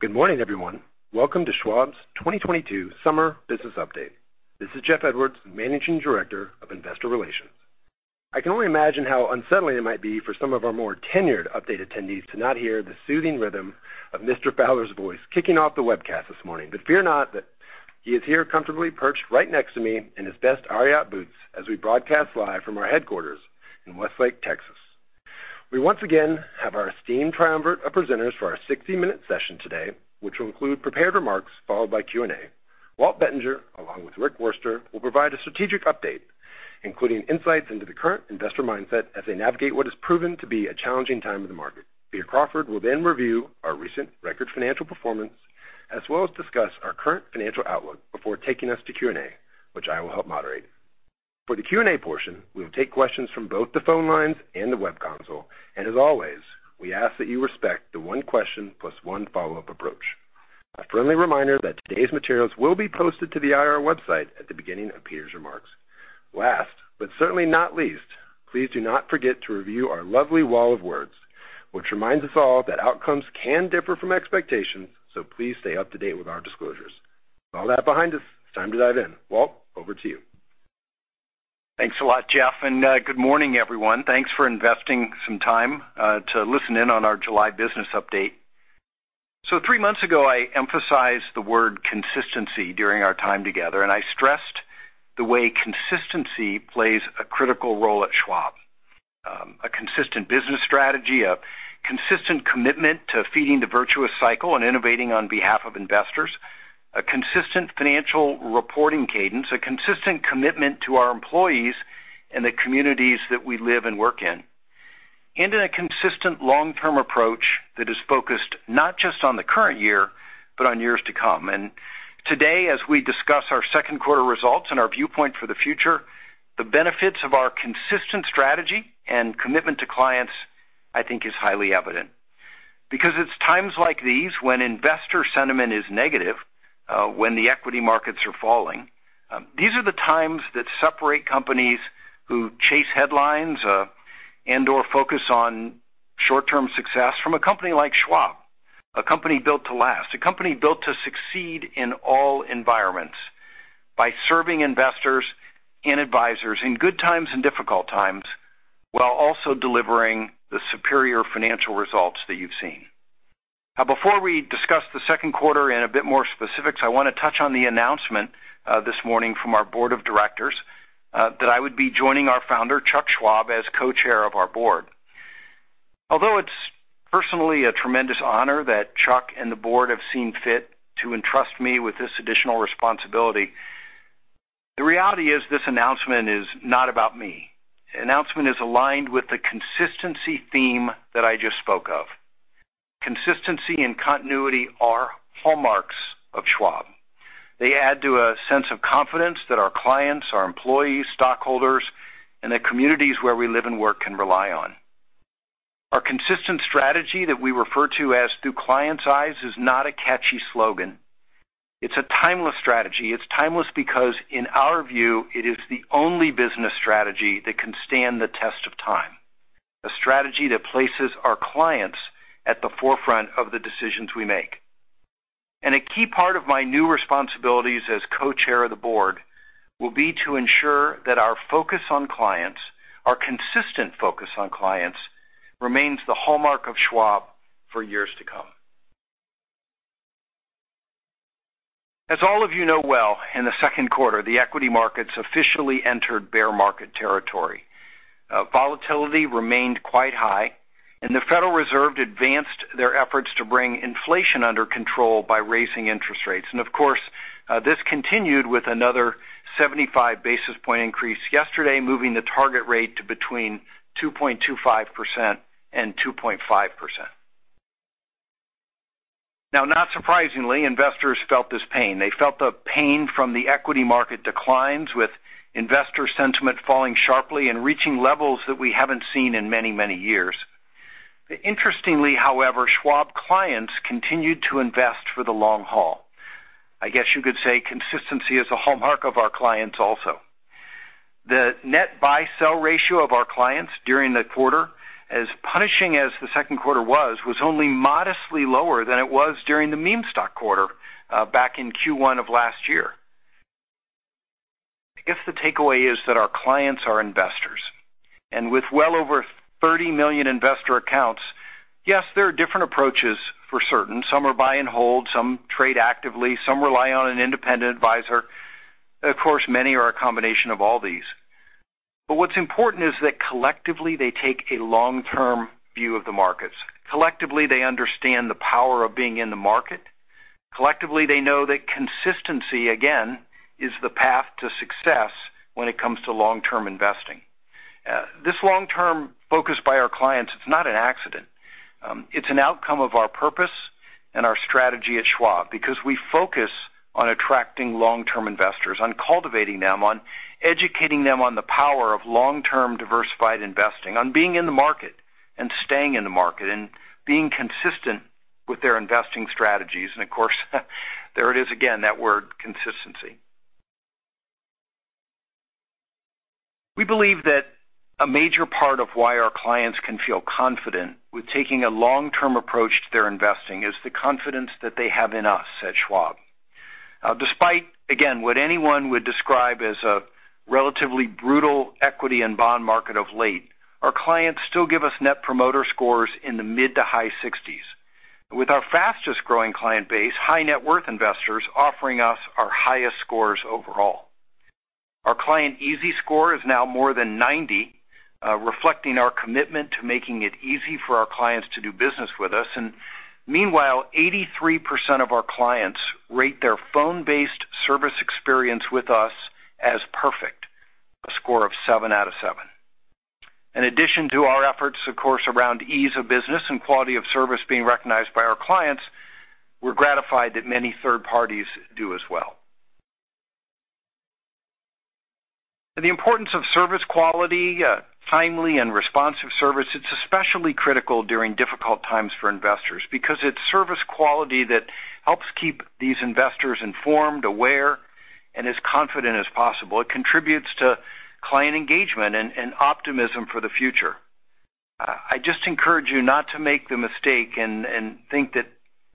Good morning, everyone. Welcome to Schwab's 2022 Summer Business Update. This is Jeff Edwards, Managing Director of Investor Relations. I can only imagine how unsettling it might be for some of our more tenured update attendees to not hear the soothing rhythm of Mr. Fowler's voice kicking off the webcast this morning. Fear not that he is here comfortably perched right next to me in his best Ariat boots as we broadcast live from our headquarters in Westlake, Texas. We once again have our esteemed triumvirate of presenters for our 60-minute session today, which will include prepared remarks followed by Q&A. Walt Bettinger, along with Rick Wurster, will provide a strategic update, including insights into the current investor mindset as they navigate what has proven to be a challenging time in the market. Peter Crawford will then review our recent record financial performance, as well as discuss our current financial outlook before taking us to Q&A, which I will help moderate. For the Q&A portion, we will take questions from both the phone lines and the web console, and as always, we ask that you respect the one question plus one follow-up approach. A friendly reminder that today's materials will be posted to the IR website at the beginning of Peter's remarks. Last, but certainly not least, please do not forget to review our lovely wall of words, which reminds us all that outcomes can differ from expectations, so please stay up to date with our disclosures. With all that behind us, it's time to dive in. Walt, over to you. Thanks a lot, Jeff, and good morning, everyone. Thanks for investing some time to listen in on our July business update. So three months ago, I emphasized the word consistency during our time together, and I stressed the way consistency plays a critical role at Schwab. A consistent business strategy, a consistent commitment to feeding the virtuous cycle and innovating on behalf of investors, a consistent financial reporting cadence, a consistent commitment to our employees and the communities that we live and work in, and a consistent long-term approach that is focused not just on the current year, but on years to come. Today, as we discuss our second quarter results and our viewpoint for the future, the benefits of our consistent strategy and commitment to clients, I think is highly evident. Because it's times like these when investor sentiment is negative, when the equity markets are falling, these are the times that separate companies who chase headlines, and/or focus on short-term success from a company like Schwab, a company built to last, a company built to succeed in all environments by serving investors and advisors in good times and difficult times, while also delivering the superior financial results that you've seen. Now, before we discuss the second quarter and a bit more specifics, I want to touch on the announcement, this morning from our board of directors, that I would be joining our founder, Chuck Schwab, as co-chair of our board. Although it's personally a tremendous honor that Chuck and the board have seen fit to entrust me with this additional responsibility, the reality is this announcement is not about me. The announcement is aligned with the consistency theme that I just spoke of. Consistency and continuity are hallmarks of Schwab. They add to a sense of confidence that our clients, our employees, stockholders, and the communities where we live and work can rely on. Our consistent strategy that we refer to as Through Clients' Eyes is not a catchy slogan. It's a timeless strategy. It's timeless because in our view, it is the only business strategy that can stand the test of time, a strategy that places our clients at the forefront of the decisions we make. A key part of my new responsibilities as co-chair of the board will be to ensure that our focus on clients, our consistent focus on clients, remains the hallmark of Schwab for years to come. As all of you know well, in the second quarter, the equity markets officially entered bear market territory. Volatility remained quite high, and the Federal Reserve advanced their efforts to bring inflation under control by raising interest rates. Of course, this continued with another 75 basis point increase yesterday, moving the target rate to between 2.25% and 2.5%. Now, not surprisingly, investors felt this pain. They felt the pain from the equity market declines, with investor sentiment falling sharply and reaching levels that we haven't seen in many, many years. Interestingly, however, Schwab clients continued to invest for the long haul. I guess you could say consistency is a hallmark of our clients also. The net buy-sell ratio of our clients during the quarter, as punishing as the second quarter was only modestly lower than it was during the meme stock quarter back in Q1 of last year. I guess the takeaway is that our clients are investors, and with well over 30 million investor accounts, yes, there are different approaches for certain. Some are buy and hold, some trade actively, some rely on an independent advisor. Of course, many are a combination of all these. What's important is that collectively, they take a long-term view of the markets. Collectively, they understand the power of being in the market. Collectively, they know that consistency, again, is the path to success when it comes to long-term investing. This long-term focus by our clients, it's not an accident. It's an outcome of our purpose and our strategy at Schwab because we focus on attracting long-term investors, on cultivating them, on educating them on the power of long-term diversified investing, on being in the market and staying in the market and being consistent with their investing strategies. Of course, there it is again, that word consistency. We believe that a major part of why our clients can feel confident with taking a long-term approach to their investing is the confidence that they have in us at Schwab. Despite, again, what anyone would describe as a relatively brutal equity and bond market of late, our clients still give us Net Promoter Scores in the mid to high sixties. With our fastest-growing client base, high-net-worth investors offering us our highest scores overall. Our Client Ease Score is now more than 90, reflecting our commitment to making it easy for our clients to do business with us. Meanwhile, 83% of our clients rate their phone-based service experience with us as perfect, a score of 7 out of 7. In addition to our efforts, of course, around ease of business and quality of service being recognized by our clients, we're gratified that many third parties do as well. The importance of service quality, timely and responsive service, it's especially critical during difficult times for investors because it's service quality that helps keep these investors informed, aware, and as confident as possible. It contributes to client engagement and optimism for the future. I just encourage you not to make the mistake and think that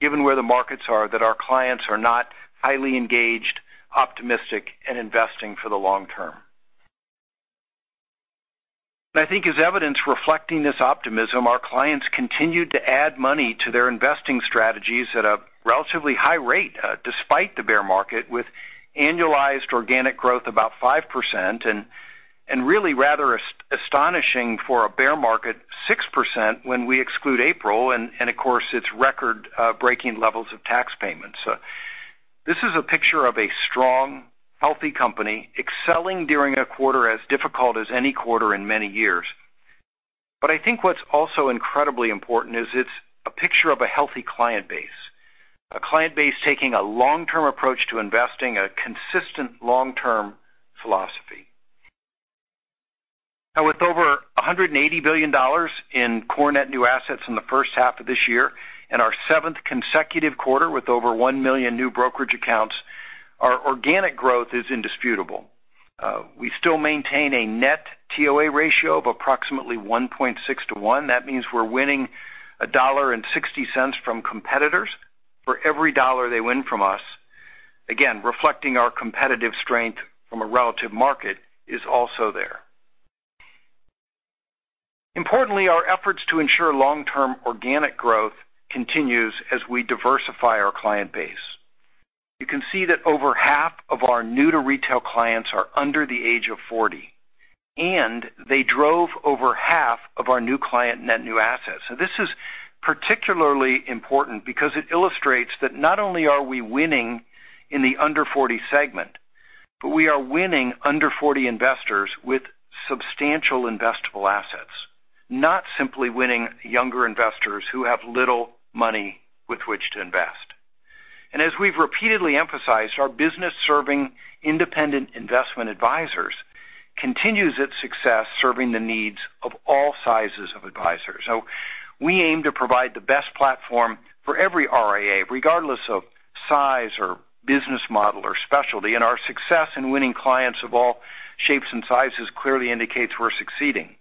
given where the markets are, that our clients are not highly engaged, optimistic, and investing for the long term. I think as evidence reflecting this optimism, our clients continued to add money to their investing strategies at a relatively high rate, despite the bear market, with annualized organic growth about 5%, and really rather astonishing for a bear market, 6% when we exclude April, and of course, its record breaking levels of tax payments. This is a picture of a strong, healthy company excelling during a quarter as difficult as any quarter in many years. I think what's also incredibly important is it's a picture of a healthy client base, a client base taking a long-term approach to investing, a consistent long-term philosophy. Now with over $180 billion in core net new assets in the first half of this year and our seventh consecutive quarter with over 1 million new brokerage accounts, our organic growth is indisputable. We still maintain a net TOA ratio of approximately 1.6 to 1. That means we're winning $1.60 from competitors for every $1 they win from us, again, reflecting our competitive strength. Our relative market share is also there. Importantly, our efforts to ensure long-term organic growth continues as we diversify our client base. You can see that over half of our new-to-retail clients are under the age of 40, and they drove over half of our new client net new assets. This is particularly important because it illustrates that not only are we winning in the under forty segment, but we are winning under forty investors with substantial investable assets, not simply winning younger investors who have little money with which to invest. As we've repeatedly emphasized, our business-serving independent investment advisors continues its success serving the needs of all sizes of advisors. We aim to provide the best platform for every RIA, regardless of size or business model or specialty. Our success in winning clients of all shapes and sizes clearly indicates we're succeeding.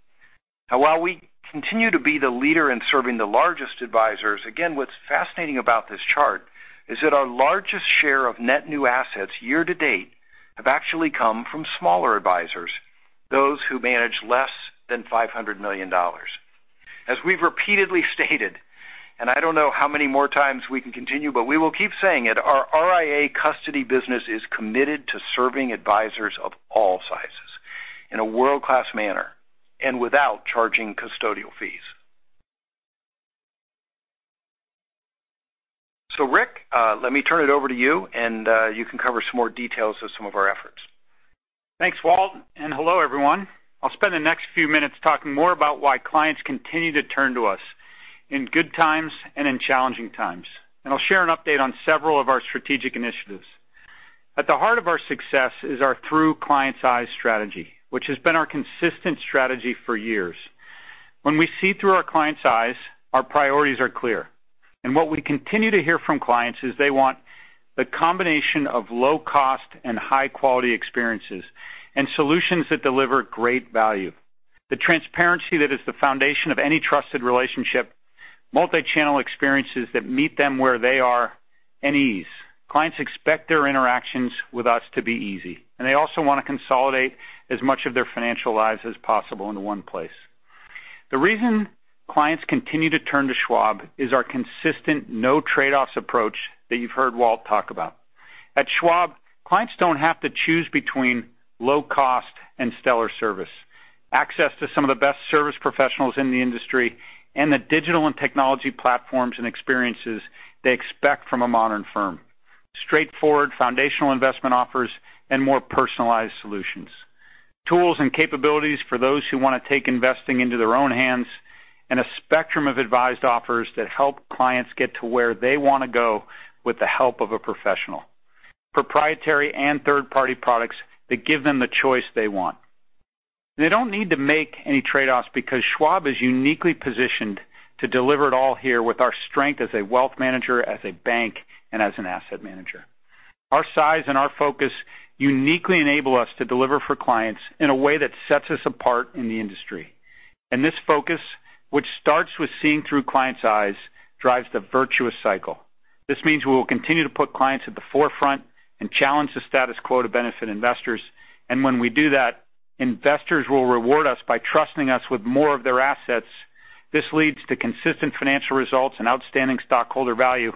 Now, while we continue to be the leader in serving the largest advisors, again, what's fascinating about this chart is that our largest share of net new assets year-to-date have actually come from smaller advisors, those who manage less than $500 million. As we've repeatedly stated, and I don't know how many more times we can continue, but we will keep saying it, our RIA custody business is committed to serving advisors of all sizes in a world-class manner and without charging custodial fees. Rick, let me turn it over to you, and you can cover some more details of some of our efforts. Thanks, Walt, and hello, everyone. I'll spend the next few minutes talking more about why clients continue to turn to us in good times and in challenging times. I'll share an update on several of our strategic initiatives. At the heart of our success is our Through Clients' Eyes strategy, which has been our consistent strategy for years. When we see through our clients' eyes, our priorities are clear, and what we continue to hear from clients is they want the combination of low cost and high-quality experiences and solutions that deliver great value. The transparency that is the foundation of any trusted relationship, multi-channel experiences that meet them where they are, and ease. Clients expect their interactions with us to be easy, and they also wanna consolidate as much of their financial lives as possible into one place. The reason clients continue to turn to Schwab is our consistent no trade-offs approach that you've heard Walt talk about. At Schwab, clients don't have to choose between low cost and stellar service, access to some of the best service professionals in the industry, and the digital and technology platforms and experiences they expect from a modern firm. Straightforward, foundational investment offers and more personalized solutions. Tools and capabilities for those who wanna take investing into their own hands and a spectrum of advised offers that help clients get to where they wanna go with the help of a professional. Proprietary and third-party products that give them the choice they want. They don't need to make any trade-offs because Schwab is uniquely positioned to deliver it all here with our strength as a wealth manager, as a bank, and as an asset manager. Our size and our focus uniquely enable us to deliver for clients in a way that sets us apart in the industry. This focus, which starts with seeing Through Clients' Eyes, drives the virtuous cycle. This means we will continue to put clients at the forefront and challenge the status quo to benefit investors. When we do that, investors will reward us by trusting us with more of their assets. This leads to consistent financial results and outstanding stockholder value,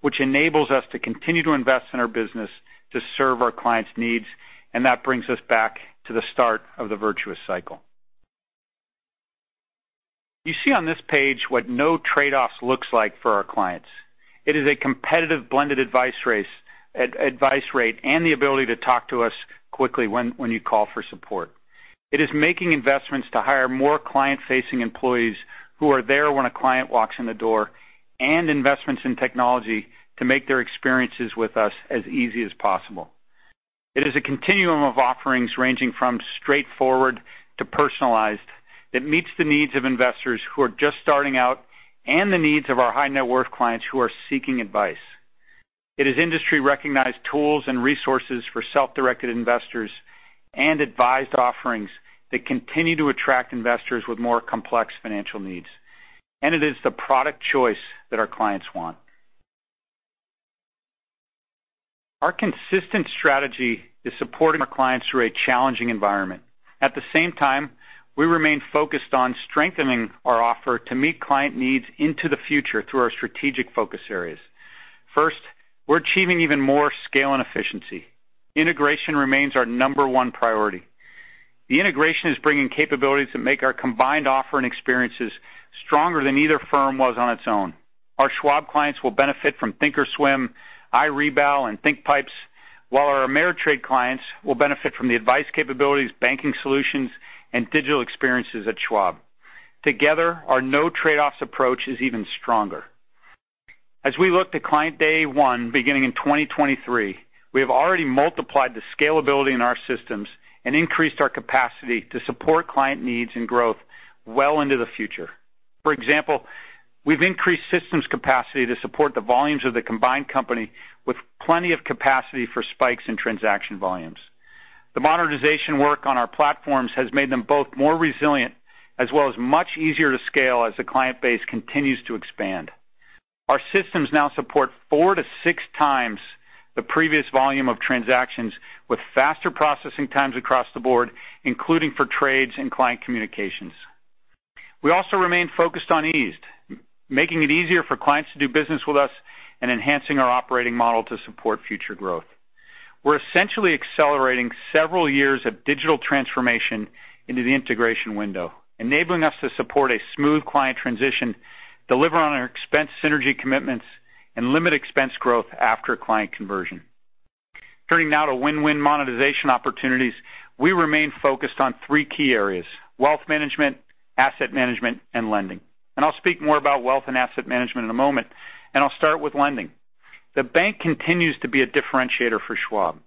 which enables us to continue to invest in our business to serve our clients' needs, and that brings us back to the start of the virtuous cycle. You see on this page what no trade-offs looks like for our clients. It is a competitive blended advice rate, and the ability to talk to us quickly when you call for support. It is making investments to hire more client-facing employees who are there when a client walks in the door, and investments in technology to make their experiences with us as easy as possible. It is a continuum of offerings ranging from straightforward to personalized, that meets the needs of investors who are just starting out, and the needs of our high-net-worth clients who are seeking advice. It is industry-recognized tools and resources for self-directed investors and advised offerings that continue to attract investors with more complex financial needs. It is the product choice that our clients want. Our consistent strategy is supporting our clients through a challenging environment. At the same time, we remain focused on strengthening our offer to meet client needs into the future through our strategic focus areas. First, we're achieving even more scale and efficiency. Integration remains our number one priority. The integration is bringing capabilities that make our combined offer and experiences stronger than either firm was on its own. Our Schwab clients will benefit from thinkorswim, iRebal, and thinkpipes, while our TD Ameritrade clients will benefit from the advice capabilities, banking solutions, and digital experiences at Schwab. Together, our no trade-offs approach is even stronger. As we look to client day one beginning in 2023, we have already multiplied the scalability in our systems and increased our capacity to support client needs and growth well into the future. For example, we've increased systems capacity to support the volumes of the combined company with plenty of capacity for spikes in transaction volumes. The monetization work on our platforms has made them both more resilient as well as much easier to scale as the client base continues to expand. Our systems now support 4-6 times the previous volume of transactions with faster processing times across the board, including for trades and client communications. We also remain focused on ease, making it easier for clients to do business with us and enhancing our operating model to support future growth. We're essentially accelerating several years of digital transformation into the integration window, enabling us to support a smooth client transition, deliver on our expense synergy commitments, and limit expense growth after a client conversion. Turning now to win-win monetization opportunities, we remain focused on three key areas, wealth management, asset management, and lending. I'll speak more about wealth and asset management in a moment, and I'll start with lending. The bank continues to be a differentiator for Schwab.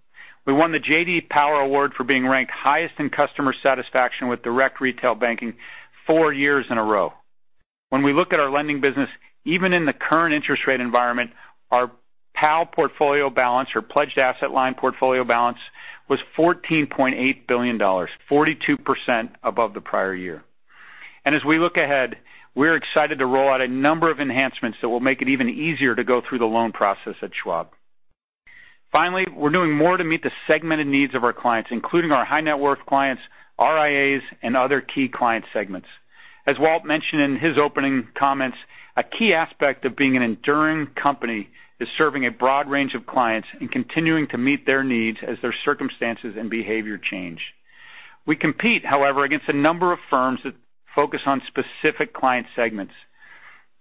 We won the J.D. Power Award for being ranked highest in customer satisfaction with direct retail banking four years in a row. When we look at our lending business, even in the current interest rate environment, our PAL portfolio balance or Pledged Asset Line portfolio balance was $14.8 billion, 42% above the prior year. As we look ahead, we're excited to roll out a number of enhancements that will make it even easier to go through the loan process at Schwab. Finally, we're doing more to meet the segmented needs of our clients, including our high-net-worth clients, RIAs, and other key client segments. As Walt mentioned in his opening comments, a key aspect of being an enduring company is serving a broad range of clients and continuing to meet their needs as their circumstances and behavior change. We compete, however, against a number of firms that focus on specific client segments.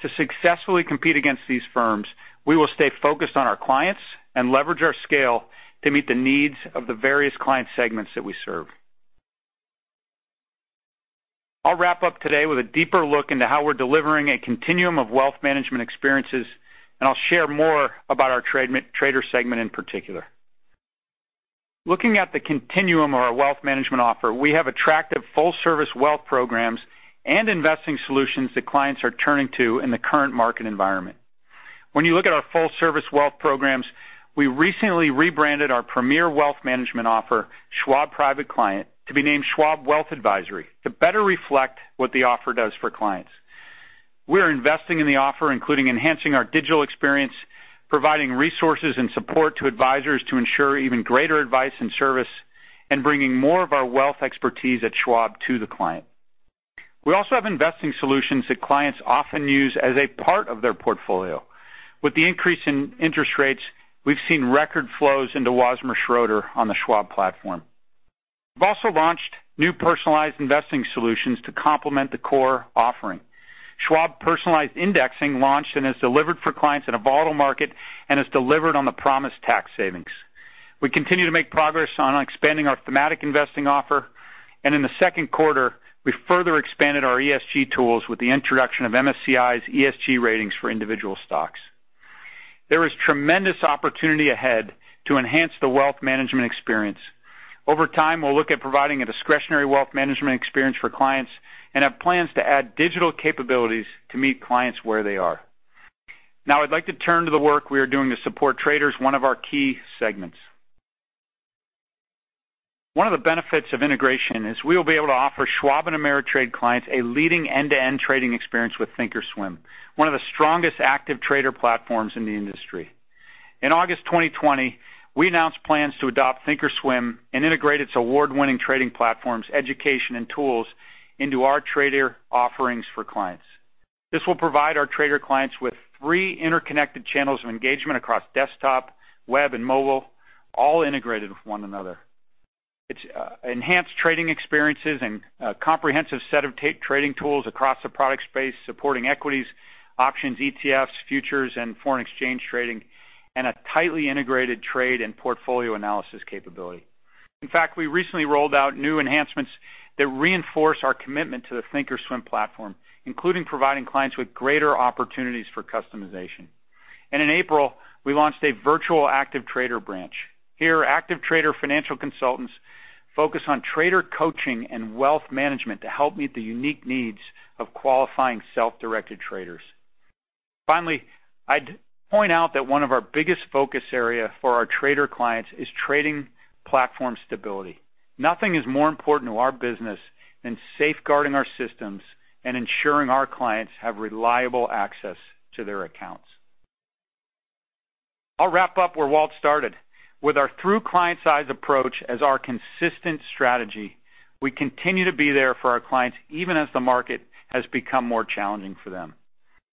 To successfully compete against these firms, we will stay focused on our clients and leverage our scale to meet the needs of the various client segments that we serve. I'll wrap up today with a deeper look into how we're delivering a continuum of wealth management experiences, and I'll share more about our trader segment in particular. Looking at the continuum of our wealth management offer, we have attractive full-service wealth programs and investing solutions that clients are turning to in the current market environment. When you look at our full-service wealth programs, we recently rebranded our premier wealth management offer, Schwab Private Client, to be named Schwab Wealth Advisory to better reflect what the offer does for clients. We are investing in the offer, including enhancing our digital experience, providing resources and support to advisors to ensure even greater advice and service, and bringing more of our wealth expertise at Schwab to the client. We also have investing solutions that clients often use as a part of their portfolio. With the increase in interest rates, we've seen record flows into Wasmer Schroeder on the Schwab platform. We've also launched new personalized investing solutions to complement the core offering. Schwab Personalized Indexing launched and has delivered for clients in a volatile market and has delivered on the promised tax savings. We continue to make progress on expanding our thematic investing offer, and in the second quarter, we further expanded our ESG tools with the introduction of MSCI's ESG ratings for individual stocks. There is tremendous opportunity ahead to enhance the wealth management experience. Over time, we'll look at providing a discretionary wealth management experience for clients and have plans to add digital capabilities to meet clients where they are. Now I'd like to turn to the work we are doing to support traders, one of our key segments. One of the benefits of integration is we will be able to offer Schwab and TD Ameritrade clients a leading end-to-end trading experience with thinkorswim, one of the strongest active trader platforms in the industry. In August 2020, we announced plans to adopt thinkorswim and integrate its award-winning trading platforms, education, and tools into our trader offerings for clients. This will provide our trader clients with three interconnected channels of engagement across desktop, web, and mobile, all integrated with one another. It's enhanced trading experiences and a comprehensive set of trading tools across the product space, supporting equities, options, ETFs, futures, and foreign exchange trading, and a tightly integrated trade and portfolio analysis capability. In fact, we recently rolled out new enhancements that reinforce our commitment to the thinkorswim platform, including providing clients with greater opportunities for customization. In April, we launched a virtual active trader branch. Here, active trader financial consultants focus on trader coaching and wealth management to help meet the unique needs of qualifying self-directed traders. Finally, I'd point out that one of our biggest focus area for our trader clients is trading platform stability. Nothing is more important to our business than safeguarding our systems and ensuring our clients have reliable access to their accounts. I'll wrap up where Walt started. With our Through Clients' Eyes approach as our consistent strategy, we continue to be there for our clients even as the market has become more challenging for them.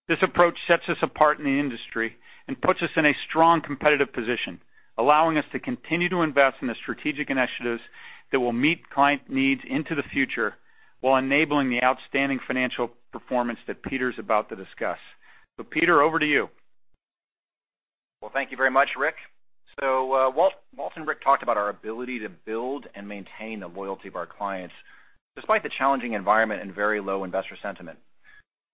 This approach sets us apart in the industry and puts us in a strong competitive position, allowing us to continue to invest in the strategic initiatives that will meet client needs into the future while enabling the outstanding financial performance that Peter's about to discuss. Peter, over to you. Well, thank you very much, Rick. Walt and Rick talked about our ability to build and maintain the loyalty of our clients despite the challenging environment and very low investor sentiment,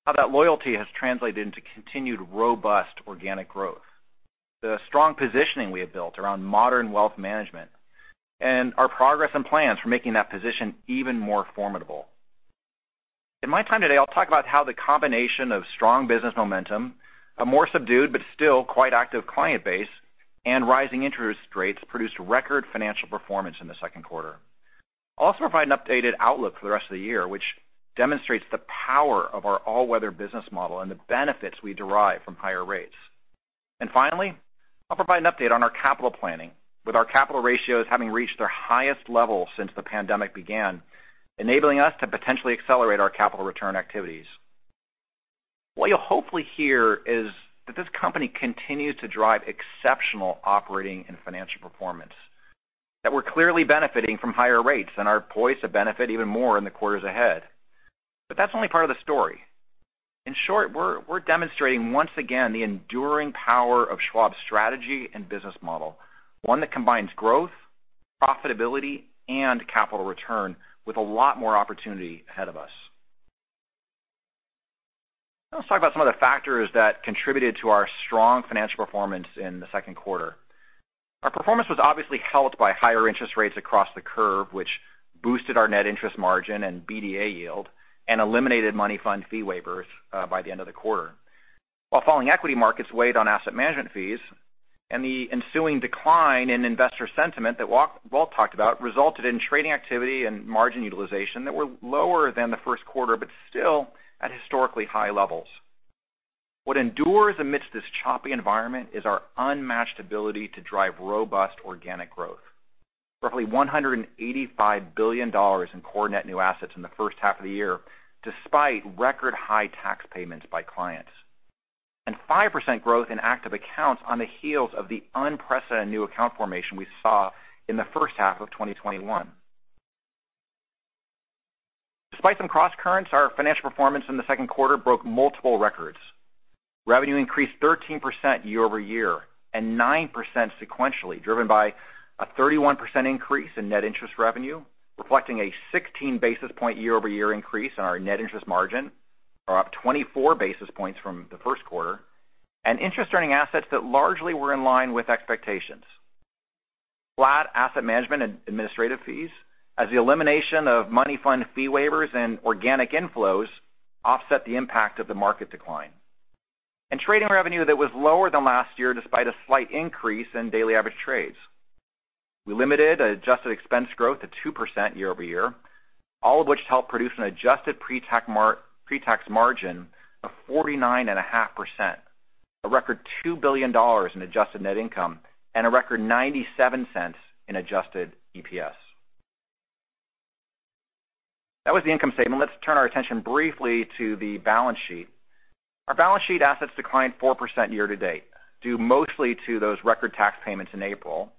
how that loyalty has translated into continued robust organic growth, the strong positioning we have built around modern wealth management, and our progress and plans for making that position even more formidable. In my time today, I'll talk about how the combination of strong business momentum, a more subdued but still quite active client base, and rising interest rates produced record financial performance in the second quarter. I'll also provide an updated outlook for the rest of the year, which demonstrates the power of our all-weather business model and the benefits we derive from higher rates. Finally, I'll provide an update on our capital planning with our capital ratios having reached their highest level since the pandemic began, enabling us to potentially accelerate our capital return activities. What you'll hopefully hear is that this company continues to drive exceptional operating and financial performance. That we're clearly benefiting from higher rates and are poised to benefit even more in the quarters ahead. That's only part of the story. In short, we're demonstrating, once again, the enduring power of Schwab's strategy and business model, one that combines growth, profitability, and capital return with a lot more opportunity ahead of us. Now let's talk about some of the factors that contributed to our strong financial performance in the second quarter. Our performance was obviously helped by higher interest rates across the curve, which boosted our net interest margin and BDA yield and eliminated money fund fee waivers by the end of the quarter. While falling equity markets weighed on asset management fees and the ensuing decline in investor sentiment that Walt talked about resulted in trading activity and margin utilization that were lower than the first quarter, but still at historically high levels. What endures amidst this choppy environment is our unmatched ability to drive robust organic growth. Roughly $185 billion in core net new assets in the first half of the year, despite record high tax payments by clients. 5% growth in active accounts on the heels of the unprecedented new account formation we saw in the first half of 2021. Despite some crosscurrents, our financial performance in the second quarter broke multiple records. Revenue increased 13% year-over-year and 9% sequentially, driven by a 31% increase in net interest revenue, reflecting a 16 basis point year-over-year increase in our net interest margin, or up 24 basis points from the first quarter, and interest earning assets that largely were in line with expectations. Flat asset management and administrative fees as the elimination of money fund fee waivers and organic inflows offset the impact of the market decline. Trading revenue that was lower than last year, despite a slight increase in daily average trades. We limited adjusted expense growth to 2% year-over-year, all of which helped produce an adjusted pre-tax margin of 49.5%, a record $2 billion in adjusted net income, and a record $0.97 in adjusted EPS. That was the income statement. Let's turn our attention briefly to the balance sheet. Our balance sheet assets declined 4% year-to-date, due mostly to those record tax payments in April,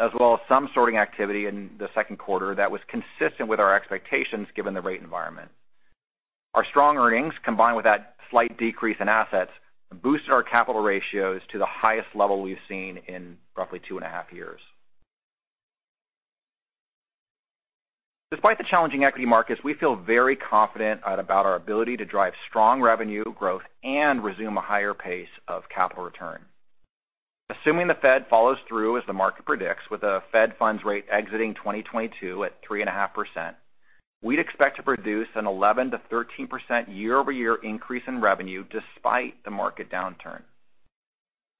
as well as some sorting activity in the second quarter that was consistent with our expectations given the rate environment. Our strong earnings, combined with that slight decrease in assets, boosted our capital ratios to the highest level we've seen in roughly 2.5 years. Despite the challenging equity markets, we feel very confident about our ability to drive strong revenue growth and resume a higher pace of capital return. Assuming the Fed follows through as the market predicts, with a Fed funds rate exiting 2022 at 3.5%, we'd expect to produce an 11%-13% year-over-year increase in revenue despite the market downturn.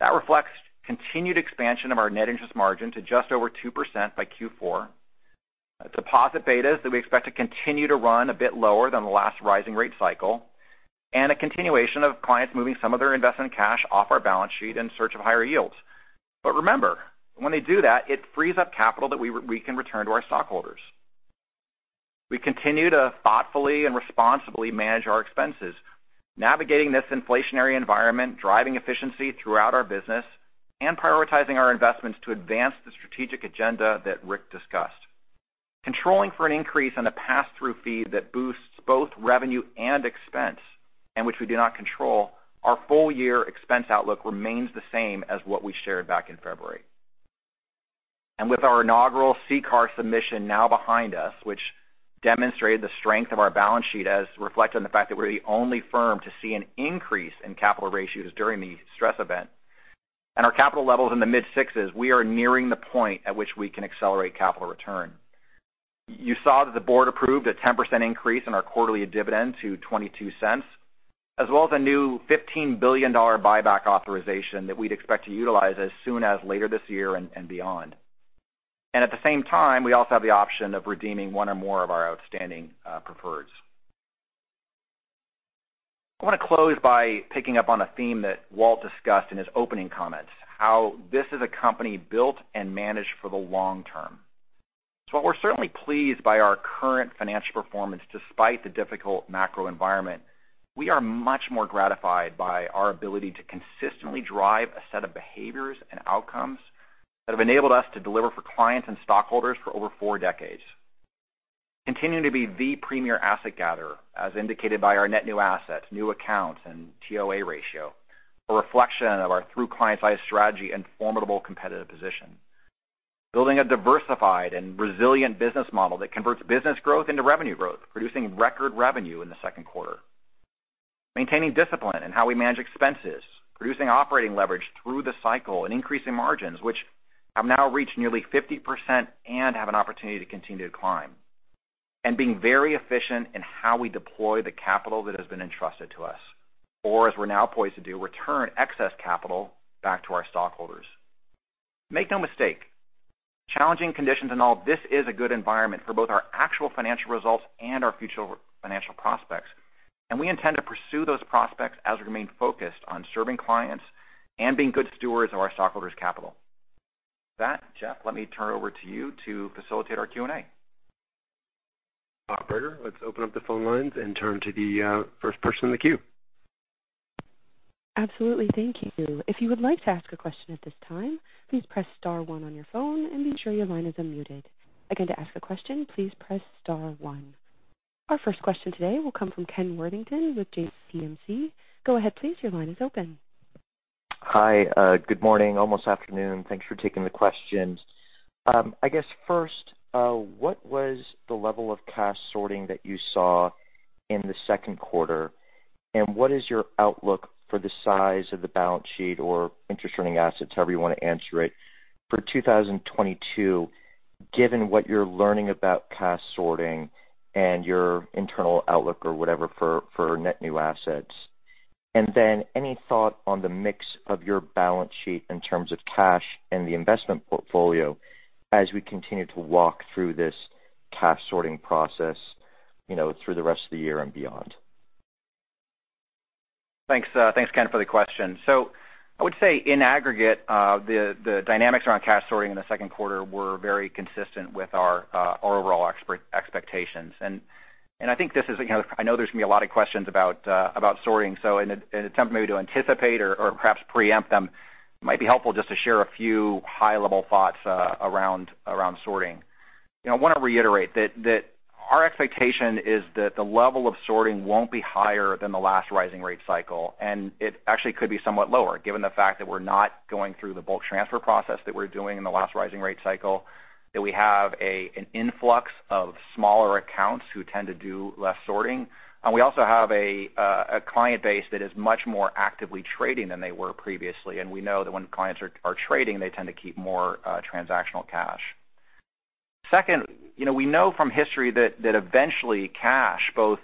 That reflects continued expansion of our net interest margin to just over 2% by Q4, deposit betas that we expect to continue to run a bit lower than the last rising rate cycle, and a continuation of clients moving some of their investment cash off our balance sheet in search of higher yields. Remember, when they do that, it frees up capital that we can return to our stockholders. We continue to thoughtfully and responsibly manage our expenses, navigating this inflationary environment, driving efficiency throughout our business, and prioritizing our investments to advance the strategic agenda that Rick discussed. Controlling for an increase in the passthrough fee that boosts both revenue and expense, and which we do not control, our full year expense outlook remains the same as what we shared back in February. With our inaugural CCAR submission now behind us, which demonstrated the strength of our balance sheet as reflected in the fact that we're the only firm to see an increase in capital ratios during the stress event, and our capital levels in the mid-sixes, we are nearing the point at which we can accelerate capital return. You saw that the board approved a 10% increase in our quarterly dividend to $0.22, as well as a new $15 billion buyback authorization that we'd expect to utilize as soon as later this year and beyond. At the same time, we also have the option of redeeming one or more of our outstanding preferreds. I want to close by picking up on a theme that Walt discussed in his opening comments, how this is a company built and managed for the long term. While we're certainly pleased by our current financial performance despite the difficult macro environment, we are much more gratified by our ability to consistently drive a set of behaviors and outcomes that have enabled us to deliver for clients and stockholders for over four decades. Continuing to be the premier asset gatherer, as indicated by our net new assets, new accounts, and TOA ratio, a reflection of our Through Clients' Eyes strategy and formidable competitive position. Building a diversified and resilient business model that converts business growth into revenue growth, producing record revenue in the second quarter. Maintaining discipline in how we manage expenses, producing operating leverage through the cycle and increasing margins, which have now reached nearly 50% and have an opportunity to continue to climb. Being very efficient in how we deploy the capital that has been entrusted to us. As we're now poised to do, return excess capital back to our stockholders. Make no mistake, challenging conditions and all, this is a good environment for both our actual financial results and our future financial prospects, and we intend to pursue those prospects as we remain focused on serving clients and being good stewards of our stockholders' capital. With that, Jeff, let me turn it over to you to facilitate our Q&A. Operator, let's open up the phone lines and turn to the first person in the queue. Absolutely. Thank you. If you would like to ask a question at this time, please press star one on your phone and ensure your line is unmuted. Again, to ask a question, please press star one. Our first question today will come from Ken Worthington with J.P. Morgan. Go ahead, please. Your line is open. Hi. Good morning, almost afternoon. Thanks for taking the questions. I guess first, what was the level of cash sorting that you saw in the second quarter? What is your outlook for the size of the balance sheet or interest earning assets, however you want to answer it, for 2022, given what you're learning about cash sorting and your internal outlook or whatever for net new assets? Then any thought on the mix of your balance sheet in terms of cash and the investment portfolio as we continue to walk through this cash sorting process, you know, through the rest of the year and beyond? Thanks, thanks, Ken, for the question. I would say in aggregate, the dynamics around cash sorting in the second quarter were very consistent with our overall expectations. I think this is, you know, I know there's gonna be a lot of questions about sorting, so in an attempt maybe to anticipate or perhaps preempt them, it might be helpful just to share a few high-level thoughts around sorting. You know, I want to reiterate that our expectation is that the level of sorting won't be higher than the last rising rate cycle, and it actually could be somewhat lower, given the fact that we're not going through the bulk transfer process that we're doing in the last rising rate cycle, that we have an influx of smaller accounts who tend to do less sorting. We also have a client base that is much more actively trading than they were previously. We know that when clients are trading, they tend to keep more transactional cash. Second, you know, we know from history that eventually cash, both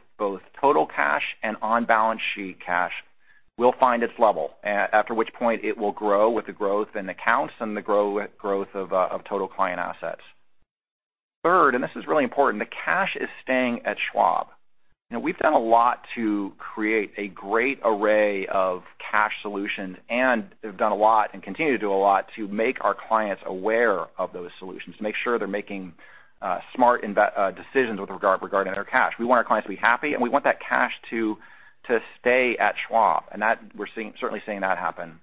total cash and on-balance sheet cash, will find its level, after which point it will grow with the growth in accounts and the growth of total client assets. Third, and this is really important, the cash is staying at Schwab. You know, we've done a lot to create a great array of cash solutions and have done a lot and continue to do a lot to make our clients aware of those solutions, to make sure they're making smart decisions with regard regarding their cash. We want our clients to be happy, and we want that cash to stay at Schwab. That, we're certainly seeing that happen.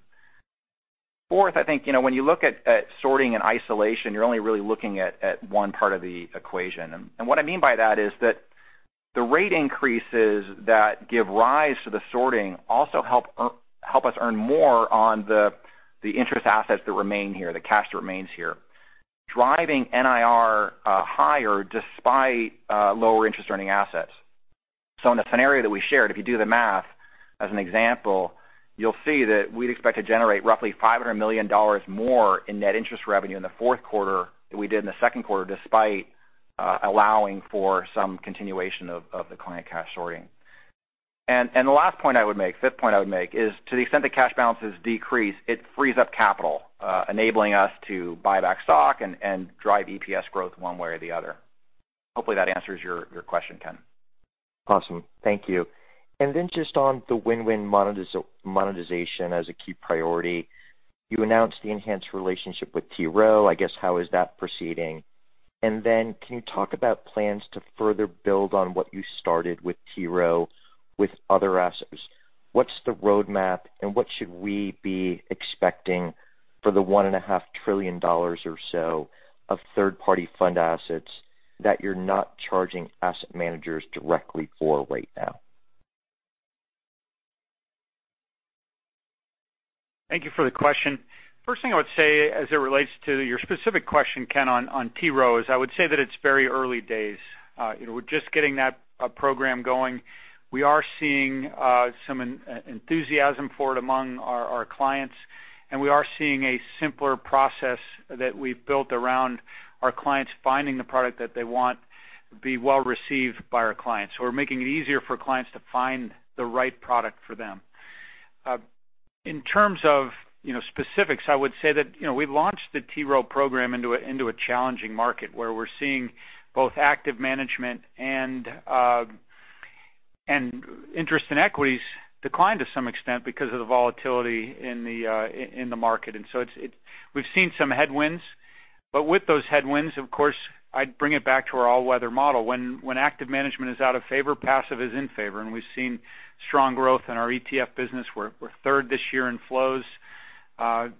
Fourth, I think, you know, when you look at sorting in isolation, you're only really looking at one part of the equation. What I mean by that is that the rate increases that give rise to the sorting also help us earn more on the interest assets that remain here, the cash that remains here, driving NIR higher despite lower interest-earning assets. In the scenario that we shared, if you do the math as an example, you'll see that we'd expect to generate roughly $500 million more in net interest revenue in the fourth quarter than we did in the second quarter, despite allowing for some continuation of the client cash sorting. The fifth point I would make is to the extent the cash balances decrease, it frees up capital, enabling us to buy back stock and drive EPS growth one way or the other. Hopefully, that answers your question, Kenneth Worthington. Awesome. Thank you. Just on the win-win monetization as a key priority, you announced the enhanced relationship with T. Rowe Price. I guess, how is that proceeding? Can you talk about plans to further build on what you started with T. Rowe Price with other assets? What's the roadmap, and what should we be expecting for the $1.5 trillion or so of third-party fund assets that you're not charging asset managers directly for right now? Thank you for the question. First thing I would say as it relates to your specific question, Ken, on T. Rowe, is I would say that it's very early days. You know, we're just getting that program going. We are seeing some enthusiasm for it among our clients, and we are seeing a simpler process that we've built around our clients finding the product that they want, be well-received by our clients. We're making it easier for clients to find the right product for them. In terms of specifics, I would say that we launched the T. Rowe program into a challenging market where we're seeing both active management and interest in equities decline to some extent because of the volatility in the market. We've seen some headwinds, but with those headwinds, of course, I'd bring it back to our all-weather model. When active management is out of favor, passive is in favor, and we've seen strong growth in our ETF business. We're third this year in flows,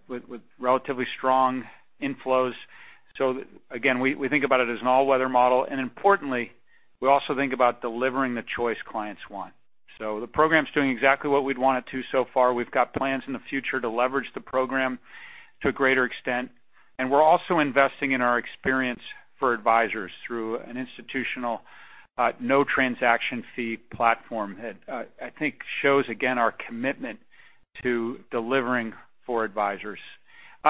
with relatively strong inflows. Again, we think about it as an all-weather model, and importantly, we also think about delivering the choice clients want. The program's doing exactly what we'd want it to so far. We've got plans in the future to leverage the program to a greater extent, and we're also investing in our experience for advisors through an institutional no-transaction-fee platform that I think shows again our commitment to delivering for advisors.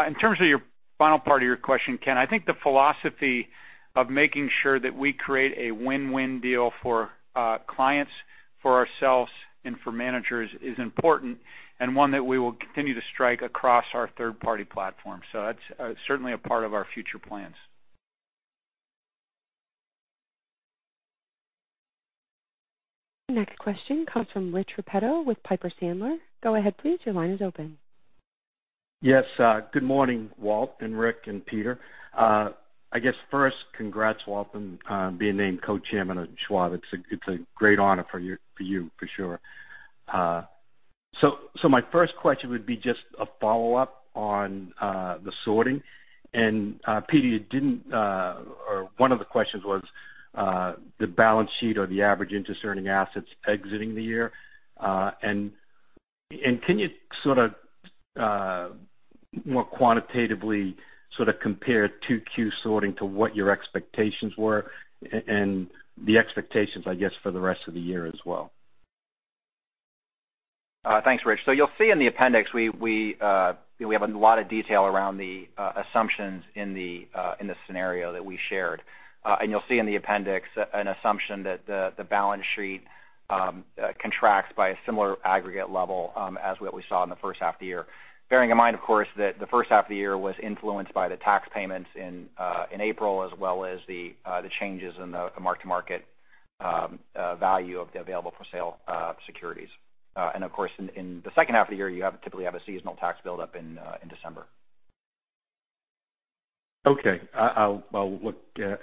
In terms of your final part of your question, Ken, I think the philosophy of making sure that we create a win-win deal for clients, for ourselves, and for managers is important and one that we will continue to strike across our third-party platform. That's certainly a part of our future plans. Next question comes from Richard Repetto with Piper Sandler. Go ahead, please. Your line is open. Yes. Good morning, Walt and Rick and Peter. I guess first, congrats, Walt, on being named co-chairman of Schwab. It's a great honor for you for sure. So my first question would be just a follow-up on the sourcing. Peter, one of the questions was the balance sheet or the average interest-earning assets exiting the year. Can you sort of more quantitatively sort of compare 2Q sourcing to what your expectations were and the expectations, I guess, for the rest of the year as well? Thanks, Rich. You'll see in the appendix, we have a lot of detail around the assumptions in the scenario that we shared. You'll see in the appendix an assumption that the balance sheet contracts by a similar aggregate level as what we saw in the first half of the year. Bearing in mind, of course, that the first half of the year was influenced by the tax payments in April as well as the changes in the mark-to-market value of the available-for-sale securities. Of course, in the second half of the year, you typically have a seasonal tax build-up in December. Okay. I'll look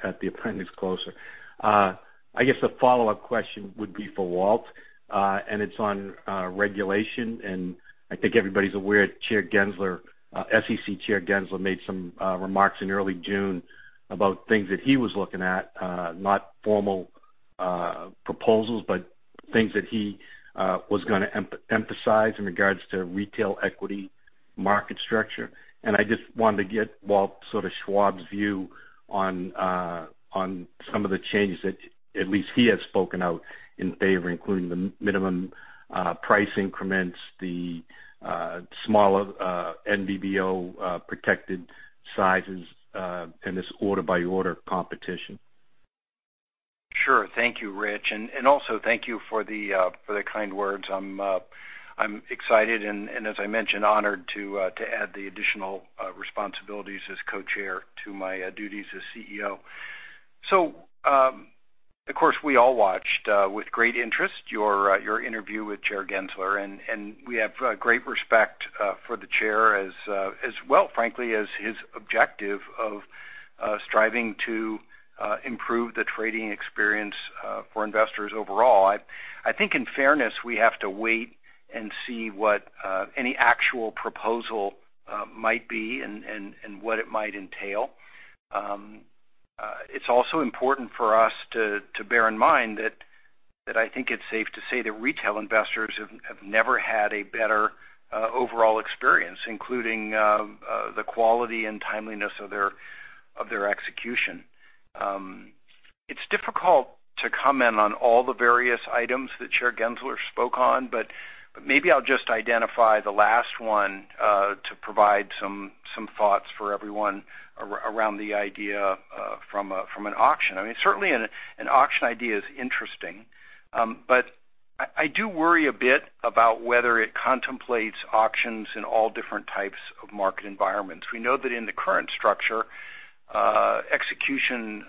at the appendix closer. I guess a follow-up question would be for Walt, and it's on regulation, and I think everybody's aware Chair Gensler, SEC Chair Gensler made some remarks in early June about things that he was looking at, not formal proposals, but things that he was gonna emphasize in regards to retail equity market structure. I just wanted to get Walt sort of Schwab's view on some of the changes that at least he has spoken out in favor, including the minimum price increments, the smaller NBBO protected sizes, and this order-by-order competition. Sure. Thank you, Rich. Also thank you for the kind words. I'm excited and as I mentioned, honored to add the additional responsibilities as co-chair to my duties as CEO. Of course, we all watched with great interest your interview with Chair Gensler, and we have great respect for the chair as well, frankly, as his objective of striving to improve the trading experience for investors overall. I I think in fairness, we have to wait and see what any actual proposal might be and what it might entail. It's also important for us to bear in mind that I think it's safe to say that retail investors have never had a better overall experience, including the quality and timeliness of their execution. It's difficult to comment on all the various items that Chair Gensler spoke on, but maybe I'll just identify the last one to provide some thoughts for everyone around the idea from an auction. I mean, certainly an auction idea is interesting. I do worry a bit about whether it contemplates auctions in all different types of market environments. We know that in the current structure, execution,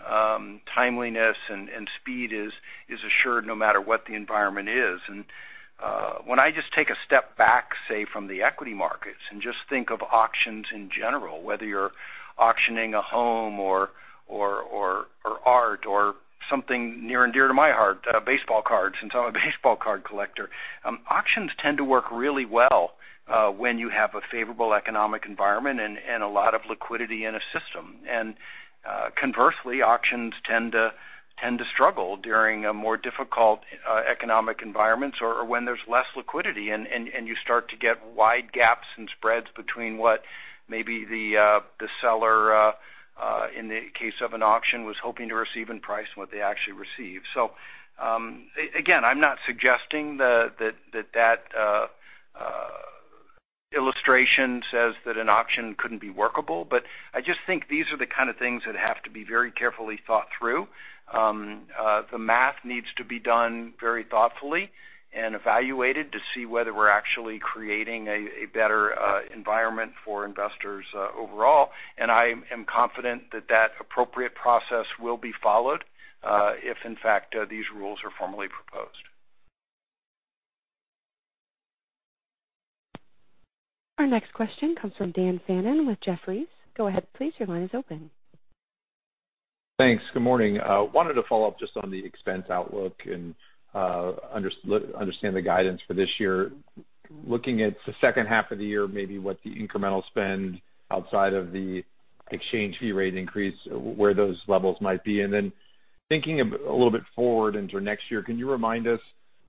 timeliness and speed is assured no matter what the environment is. When I just take a step back, say, from the equity markets and just think of auctions in general, whether you're auctioning a home or art or something near and dear to my heart, baseball cards, since I'm a baseball card collector. Auctions tend to work really well when you have a favorable economic environment and a lot of liquidity in a system. Conversely, auctions tend to struggle during a more difficult economic environments or when there's less liquidity and you start to get wide gaps and spreads between what maybe the seller in the case of an auction was hoping to receive in price and what they actually receive. Again, I'm not suggesting that illustration says that an auction couldn't be workable, but I just think these are the kind of things that have to be very carefully thought through. The math needs to be done very thoughtfully and evaluated to see whether we're actually creating a better environment for investors overall. I am confident that appropriate process will be followed if in fact these rules are formally proposed. Our next question comes from Daniel Fannon with Jefferies. Go ahead, please. Your line is open. Thanks. Good morning. Wanted to follow up just on the expense outlook and understand the guidance for this year. Looking at the second half of the year, maybe what the incremental spend outside of the exchange fee rate increase, where those levels might be. Then thinking a little bit forward into next year, can you remind us,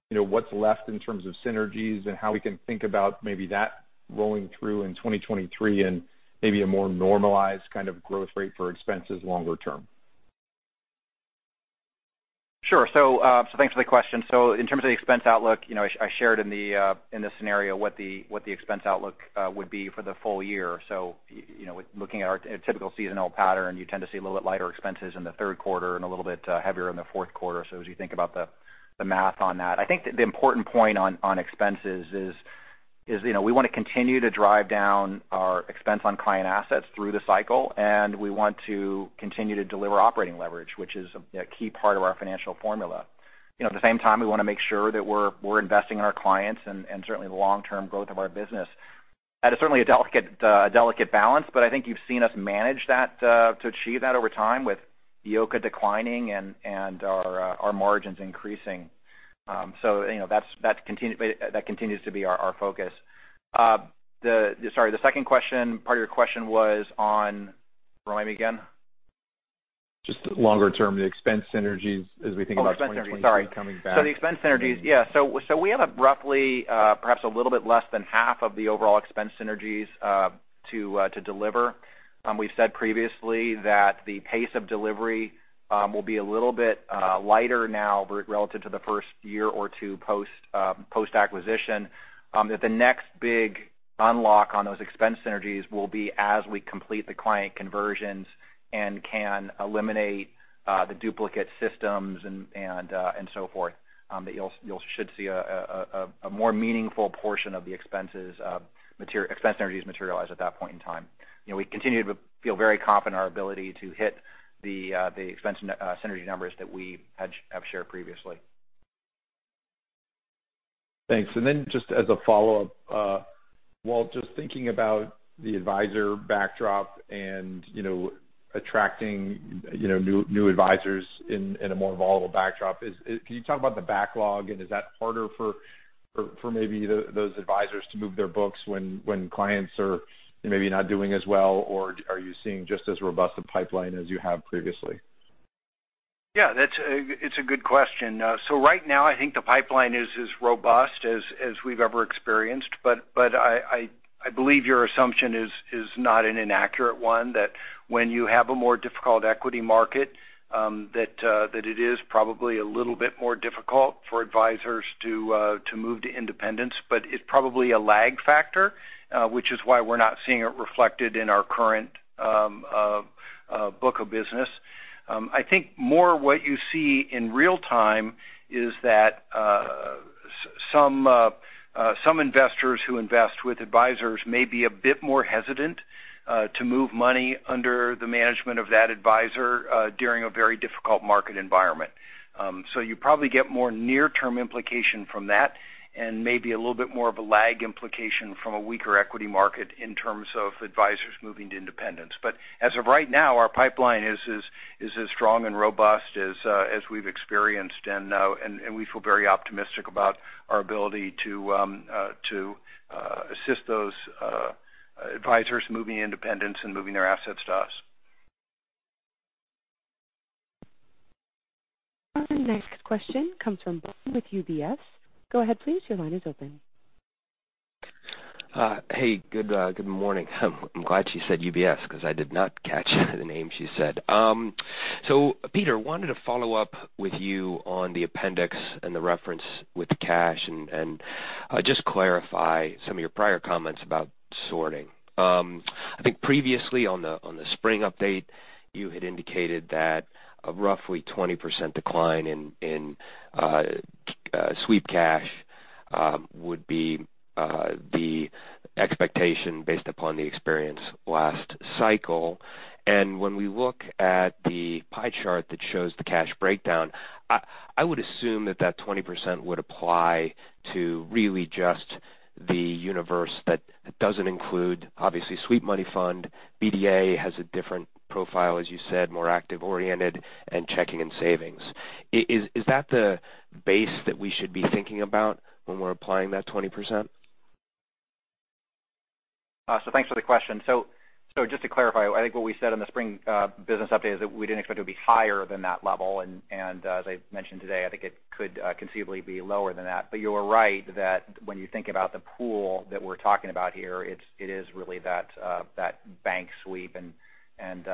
you know, what's left in terms of synergies and how we can think about maybe that rolling through in 2023 and maybe a more normalized kind of growth rate for expenses longer term? Sure. Thanks for the question. In terms of the expense outlook, you know, I shared in the scenario what the expense outlook would be for the full year. You know, with looking at our a typical seasonal pattern, you tend to see a little bit lighter expenses in the third quarter and a little bit heavier in the fourth quarter. As you think about the math on that. I think the important point on expenses is, you know, we want to continue to drive down our expense on client assets through the cycle, and we want to continue to deliver operating leverage, which is a key part of our financial formula. You know, at the same time, we want to make sure that we're investing in our clients and certainly the long-term growth of our business. That is certainly a delicate balance, but I think you've seen us manage that to achieve that over time with ECOA declining and our margins increasing. You know, that continues to be our focus. Sorry, the second question, part of your question was on, remind me again. Just longer term, the expense synergies as we think about 2023 coming back. Oh, expense synergies, sorry. The expense synergies, yeah. We have roughly perhaps a little bit less than half of the overall expense synergies to deliver. We've said previously that the pace of delivery will be a little bit lighter now relative to the first year or two post-acquisition. The next big unlock on those expense synergies will be as we complete the client conversions and can eliminate the duplicate systems and so forth. You should see a more meaningful portion of the expense synergies materialize at that point in time. You know, we continue to feel very confident in our ability to hit the expense synergy numbers that we have shared previously. Thanks. Just as a follow-up, Walt, just thinking about the advisor backdrop and, you know, attracting, you know, new advisors in a more volatile backdrop, can you talk about the backlog? And is that harder for maybe those advisors to move their books when clients are maybe not doing as well, or are you seeing just as robust a pipeline as you have previously? Yeah, that's a good question. So right now, I think the pipeline is as robust as we've ever experienced. I believe your assumption is not an inaccurate one, that when you have a more difficult equity market, it is probably a little bit more difficult for advisors to move to independence. It's probably a lag factor, which is why we're not seeing it reflected in our current book of business. I think more what you see in real time is that some investors who invest with advisors may be a bit more hesitant to move money under the management of that advisor during a very difficult market environment. So you probably get more near-term implication from that and maybe a little bit more of a lag implication from a weaker equity market in terms of advisors moving to independence. But as of right now, our pipeline is as strong and robust as we've experienced. We feel very optimistic about our ability to assist those advisors moving to independence and moving their assets to us. The next question comes from Ben with UBS. Go ahead, please. Your line is open. Hey, good morning. I'm glad she said UBS because I did not catch the name she said. So Peter wanted to follow up with you on the appendix and the reference with the cash and just clarify some of your prior comments about sweeping. I think previously on the spring update, you had indicated that a roughly 20% decline in sweep cash would be the expectation based upon the experience last cycle. When we look at the pie chart that shows the cash breakdown, I would assume that 20% would apply to really just the universe that doesn't include obviously sweep money fund. BDA has a different profile as you said, more active oriented and checking and savings. Is that the base that we should be thinking about when we're applying that 20%? Thanks for the question. Just to clarify, I think what we said in the spring business update is that we didn't expect it to be higher than that level. As I mentioned today, I think it could conceivably be lower than that. You are right that when you think about the pool that we're talking about here, it is really that bank sweep and,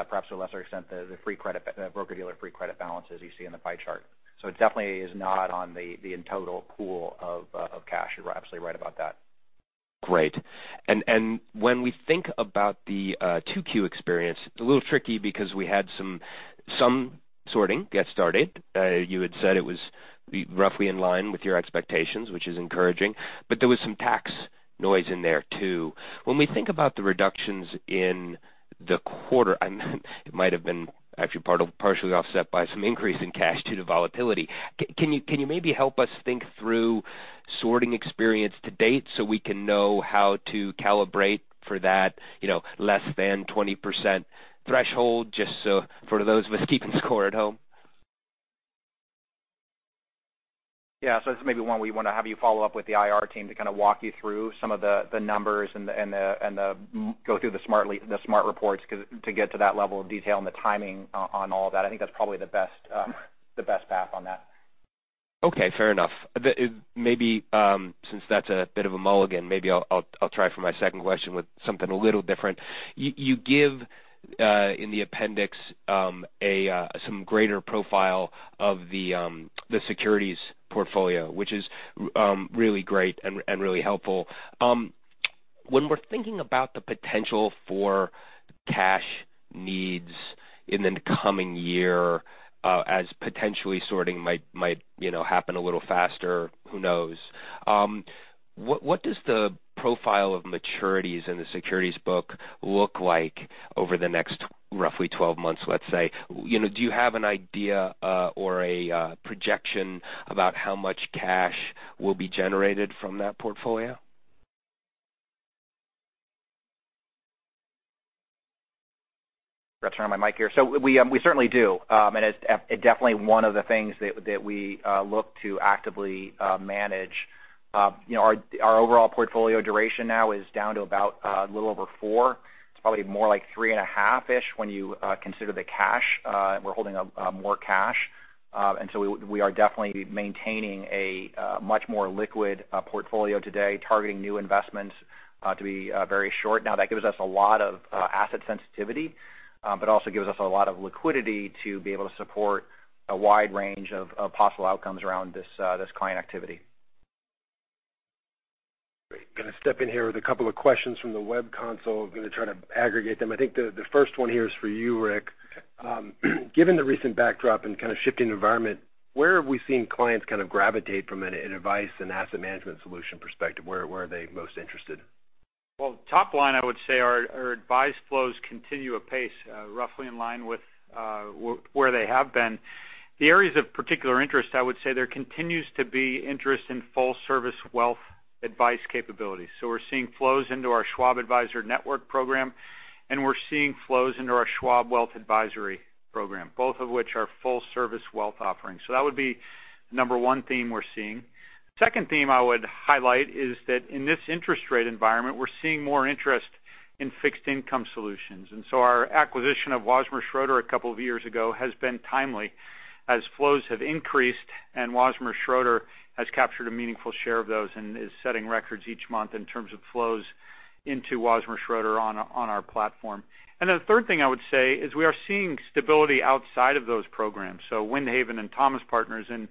perhaps to a lesser extent, the free credit broker-dealer free credit balances you see in the pie chart. It definitely is not on the total pool of cash. You're absolutely right about that. Great. When we think about the 2Q experience, it's a little tricky because we had some sweeping get started. You had said it was roughly in line with your expectations, which is encouraging, but there was some tax noise in there too. When we think about the reductions in the quarter, I mean, it might have been actually partially offset by some increase in cash due to volatility. Can you maybe help us think through sweeping experience to date so we can know how to calibrate for that, you know, less than 20% threshold, just so for those of us keeping score at home. This is maybe one we want to have you follow up with the IR team to kind of walk you through some of the numbers and go through the SMART reports because to get to that level of detail and the timing on all of that. I think that's probably the best path on that. Okay, fair enough. Then maybe since that's a bit of a mulligan, maybe I'll try for my second question with something a little different. You give in the appendix some greater profile of the securities portfolio, which is really great and really helpful. When we're thinking about the potential for cash needs in the coming year, as potentially sorting might happen a little faster, who knows? What does the profile of maturities in the securities book look like over the next roughly 12 months, let's say? You know, do you have an idea or a projection about how much cash will be generated from that portfolio? Got to turn on my mic here. We certainly do. It's definitely one of the things that we look to actively manage. You know, our overall portfolio duration now is down to about a little over 4. It's probably more like 3.5-ish when you consider the cash. We're holding more cash. We are definitely maintaining a much more liquid portfolio today, targeting new investments to be very short. Now, that gives us a lot of asset sensitivity, but also gives us a lot of liquidity to be able to support a wide range of possible outcomes around this client activity. Great. Gonna step in here with a couple of questions from the web console. Gonna try to aggregate them. I think the first one here is for you, Rick. Given the recent backdrop and kind of shifting environment, where have we seen clients kind of gravitate from an advice and asset management solution perspective? Where are they most interested? Well, top line, I would say our advice flows continue apace, roughly in line with where they have been. The areas of particular interest, I would say there continues to be interest in full service wealth advice capabilities. We're seeing flows into our Schwab Advisor Network program, and we're seeing flows into our Schwab Wealth Advisory program, both of which are full service wealth offerings. That would be the number one theme we're seeing. Second theme I would highlight is that in this interest rate environment, we're seeing more interest in fixed income solutions. Our acquisition of Wasmer Schroeder a couple of years ago has been timely as flows have increased, and Wasmer Schroeder has captured a meaningful share of those and is setting records each month in terms of flows into Wasmer Schroeder on our platform. The third thing I would say is we are seeing stability outside of those programs. Windhaven and Thomas Partners and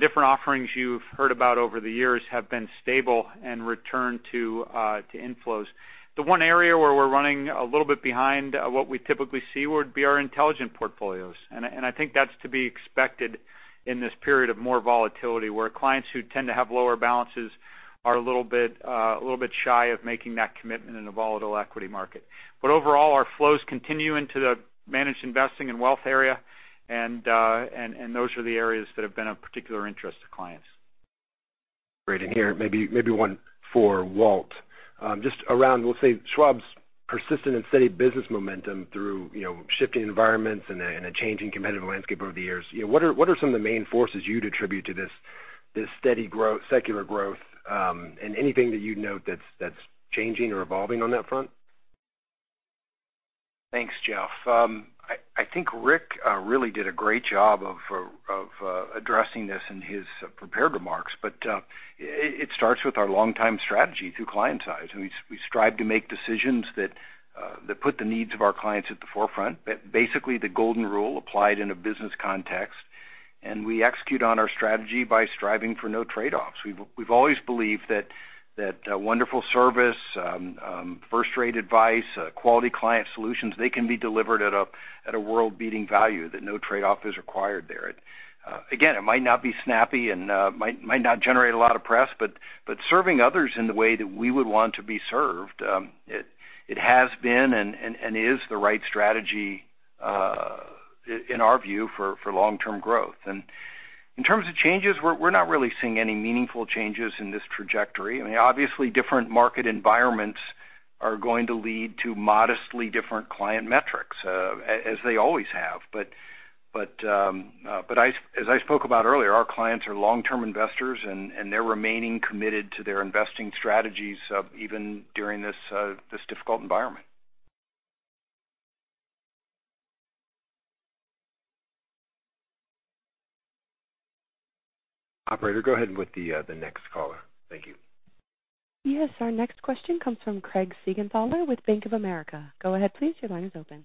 different offerings you've heard about over the years have been stable and returned to inflows. The one area where we're running a little bit behind what we typically see would be our Intelligent Portfolios. I think that's to be expected in this period of more volatility, where clients who tend to have lower balances are a little bit shy of making that commitment in a volatile equity market. Overall, our flows continue into the managed investing and wealth area, and those are the areas that have been of particular interest to clients. Great. In here, maybe one for Walt. Just around, we'll say Schwab's persistent and steady business momentum through, you know, shifting environments and a changing competitive landscape over the years. You know, what are some of the main forces you'd attribute to this secular growth, and anything that you'd note that's changing or evolving on that front? Thanks, Jeff. I think Rick really did a great job of addressing this in his prepared remarks, but it starts with our long-time strategy through Clients' Eyes. We strive to make decisions that put the needs of our clients at the forefront. Basically, the golden rule applied in a business context, and we execute on our strategy by striving for no trade-offs. We've always believed that wonderful service, first-rate advice, quality client solutions, they can be delivered at a world-beating value that no trade-off is required there. Again, it might not be snappy and might not generate a lot of press, but serving others in the way that we would want to be served, it has been and is the right strategy, in our view, for long-term growth. In terms of changes, we're not really seeing any meaningful changes in this trajectory. I mean, obviously, different market environments are going to lead to modestly different client metrics, as they always have. As I spoke about earlier, our clients are long-term investors and they're remaining committed to their investing strategies, even during this difficult environment. Operator, go ahead with the next caller. Thank you. Yes, our next question comes from Craig Siegenthaler with Bank of America. Go ahead, please. Your line is open.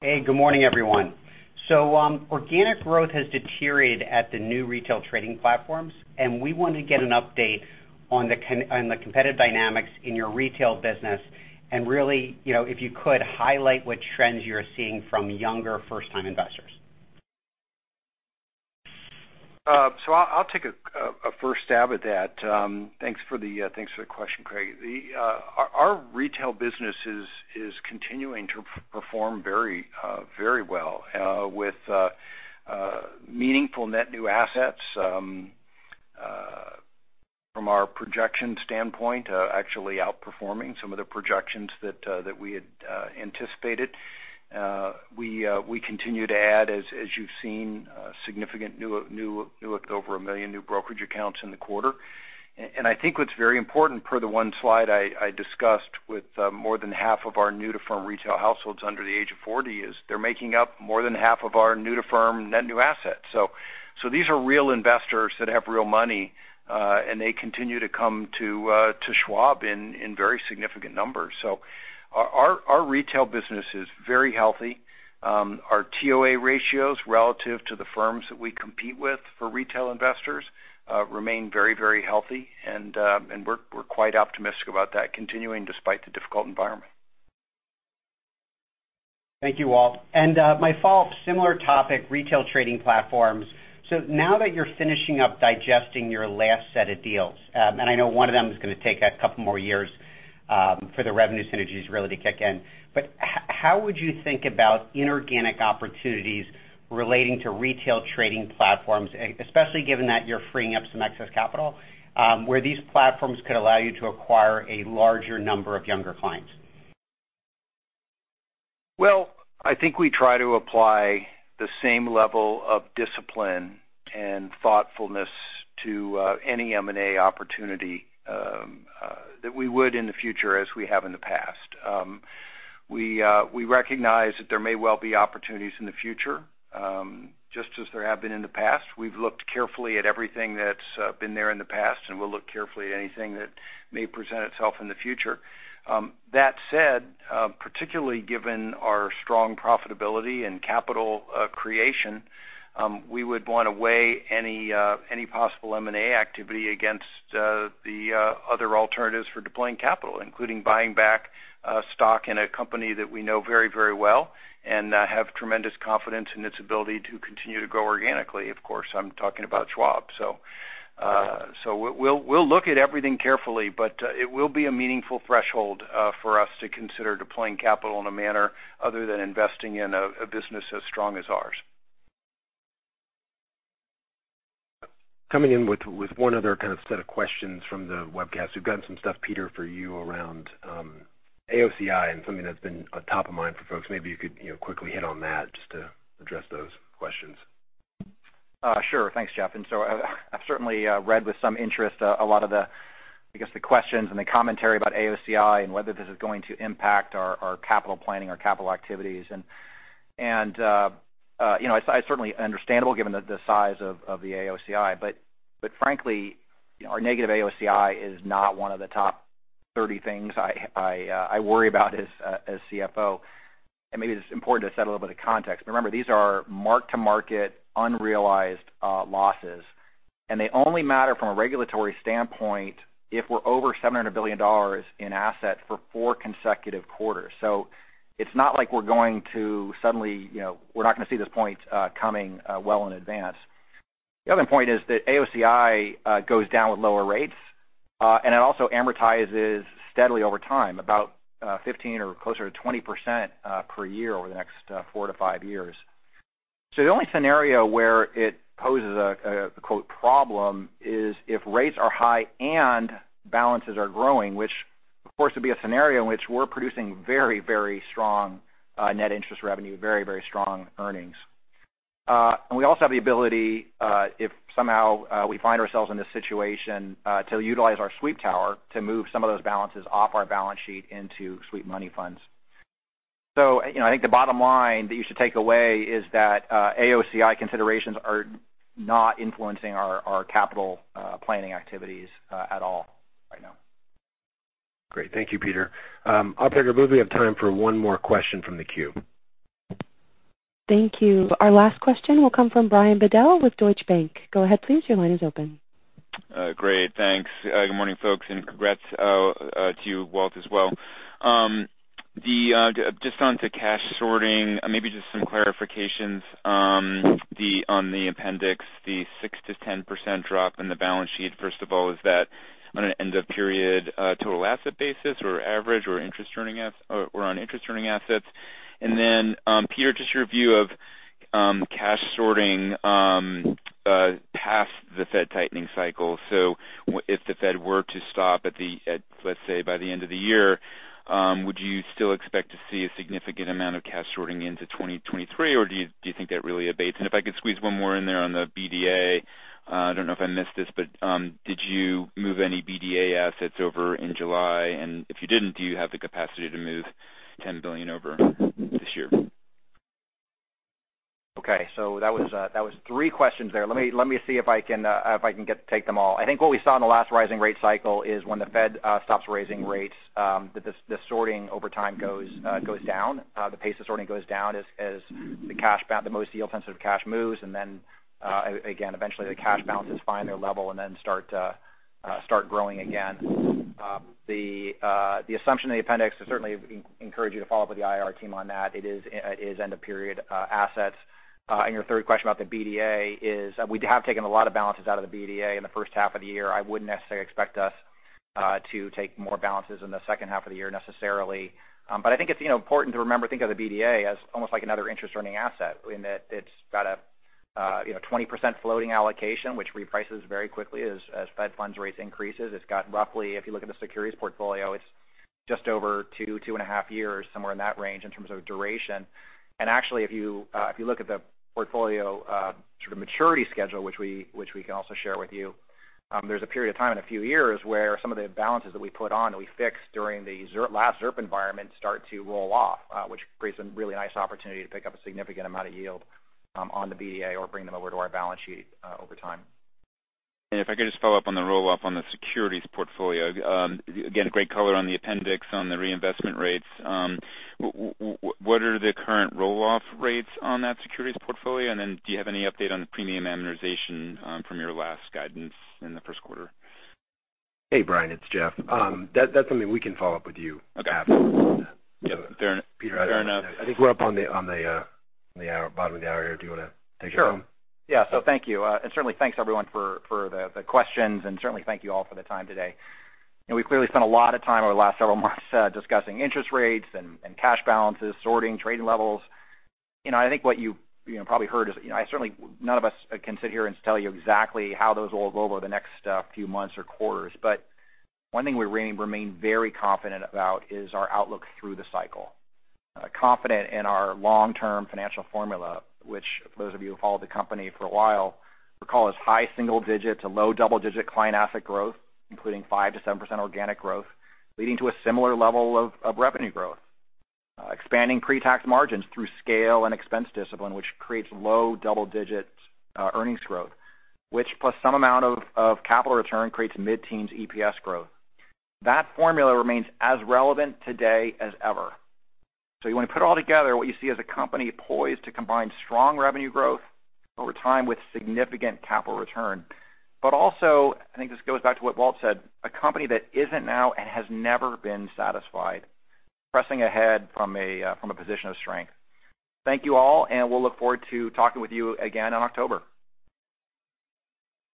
Hey, good morning, everyone. Organic growth has deteriorated at the new retail trading platforms, and we want to get an update on the competitive dynamics in your retail business. Really, you know, if you could, highlight what trends you're seeing from younger first-time investors. I'll take a first stab at that. Thanks for the question, Craig. Our retail business is continuing to perform very well with meaningful net new assets from our projection standpoint, actually outperforming some of the projections that we had anticipated. We continue to add, as you've seen, significant over 1 million new brokerage accounts in the quarter. I think what's very important per the one slide I discussed, with more than half of our new-to-firm retail households under the age of 40, is they're making up more than half of our new-to-firm net new assets. These are real investors that have real money, and they continue to come to Schwab in very significant numbers. Our retail business is very healthy. Our TOA ratios relative to the firms that we compete with for retail investors remain very, very healthy, and we're quite optimistic about that continuing despite the difficult environment. Thank you, Walt. My follow-up, similar topic, retail trading platforms. Now that you're finishing up digesting your last set of deals, and I know one of them is gonna take a couple more years, for the revenue synergies really to kick in. How would you think about inorganic opportunities relating to retail trading platforms, especially given that you're freeing up some excess capital, where these platforms could allow you to acquire a larger number of younger clients? Well, I think we try to apply the same level of discipline and thoughtfulness to any M&A opportunity that we would in the future, as we have in the past. We recognize that there may well be opportunities in the future, just as there have been in the past. We've looked carefully at everything that's been there in the past, and we'll look carefully at anything that may present itself in the future. That said, particularly given our strong profitability and capital creation, we would wanna weigh any possible M&A activity against the other alternatives for deploying capital, including buying back stock in a company that we know very, very well and have tremendous confidence in its ability to continue to grow organically. Of course, I'm talking about Schwab. We'll look at everything carefully, but it will be a meaningful threshold for us to consider deploying capital in a manner other than investing in a business as strong as ours. Coming in with one other kind of set of questions from the webcast. We've gotten some stuff, Peter, for you around AOCI and something that's been top of mind for folks. Maybe you could, you know, quickly hit on that just to address those questions. Sure. Thanks, Jeff. I've certainly read with some interest a lot of the, I guess, the questions and the commentary about AOCI and whether this is going to impact our capital planning, our capital activities. You know, it's certainly understandable given the size of the AOCI. But frankly, you know, our negative AOCI is not one of the top thirty things I worry about as CFO. Maybe it's important to set a little bit of context. Remember, these are mark-to-market unrealized losses, and they only matter from a regulatory standpoint if we're over $700 billion in assets for four consecutive quarters. It's not like we're going to suddenly, you know, we're not gonna see this point coming well in advance. The other point is that AOCI goes down with lower rates, and it also amortizes steadily over time, about 15% or closer to 20% per year over the next 4-5 years. The only scenario where it poses a quote problem is if rates are high and balances are growing, which of course would be a scenario in which we're producing very, very strong net interest revenue, very, very strong earnings, and we also have the ability, if somehow we find ourselves in this situation, to utilize our sweep structure to move some of those balances off our balance sheet into sweep money funds. You know, I think the bottom line that you should take away is that AOCI considerations are not influencing our capital planning activities at all right now. Great. Thank you, Peter. Operator, we have time for one more question from the queue. Thank you. Our last question will come from Brian Bedell with Deutsche Bank. Go ahead, please. Your line is open. Great. Thanks. Good morning, folks, and congrats to you, Walt, as well. Just onto cash sorting, maybe just some clarifications on the appendix, the 6%-10% drop in the balance sheet. First of all, is that on an end of period total asset basis or average or interest earning or on interest-earning assets? Peter, just your view of cash sorting past the Fed tightening cycle. If the Fed were to stop at the, let's say, by the end of the year, would you still expect to see a significant amount of cash sorting into 2023? Or do you think that really abates? If I could squeeze one more in there on the BDA. I don't know if I missed this, but did you move any BDA assets over in July? If you didn't, do you have the capacity to move $10 billion over this year? Okay. That was three questions there. Let me see if I can get to tackle them all. I think what we saw in the last rising rate cycle is when the Fed stops raising rates, the sorting over time goes down. The pace of sorting goes down as the most yield-sensitive cash moves. Again, eventually the cash balances find their level and then start growing again. The assumption in the appendix is certainly encourage you to follow up with the IR team on that. It is end of period assets. Your third question about the BDA is, we have taken a lot of balances out of the BDA in the first half of the year. I wouldn't necessarily expect us to take more balances in the second half of the year necessarily. I think it's, you know, important to remember, think of the BDA as almost like another interest-earning asset in that it's got a, you know, 20% floating allocation, which reprices very quickly as Fed funds rate increases. It's got roughly, if you look at the securities portfolio, it's just over two and a half years, somewhere in that range in terms of duration. Actually, if you look at the portfolio sort of maturity schedule, which we can also share with you, there's a period of time in a few years where some of the balances that we put on that we fixed during the last ZIRP environment start to roll off, which creates a really nice opportunity to pick up a significant amount of yield on the BDA or bring them over to our balance sheet over time. If I could just follow up on the roll-off on the securities portfolio. Again, great color on the appendix on the reinvestment rates. What are the current roll-off rates on that securities portfolio? Then do you have any update on the premium amortization from your last guidance in the first quarter? Hey, Brian, it's Jeff. That's something we can follow up with you. Okay. Afterwards. Yeah. Fair enough. Fair enough. Peter, I think we're up on the hour, bottom of the hour here. Do you wanna take it home? Sure. Yeah. Thank you. And certainly thanks everyone for the questions and certainly thank you all for the time today. You know, we've clearly spent a lot of time over the last several months discussing interest rates and cash balances, core trading levels. You know, I think what you probably heard is, you know, certainly none of us can sit here and tell you exactly how those will go over the next few months or quarters. One thing we remain very confident about is our outlook through the cycle. Confident in our long-term financial formula, which for those of you who followed the company for a while recall as high single-digit to low double-digit client asset growth, including 5%-7% organic growth, leading to a similar level of revenue growth. Expanding pre-tax margins through scale and expense discipline, which creates low double-digit earnings growth, which plus some amount of capital return creates mid-teens EPS growth. That formula remains as relevant today as ever. You want to put it all together, what you see as a company poised to combine strong revenue growth over time with significant capital return. Also, I think this goes back to what Walt said, a company that isn't now and has never been satisfied, pressing ahead from a position of strength. Thank you all, and we'll look forward to talking with you again in October.